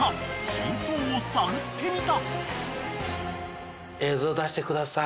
［真相を探ってみた］